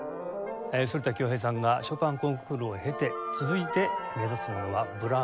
反田恭平さんがショパンコンクールを経て続いて目指すものはブラームス。